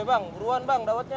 uy bang buruan bang dawetnya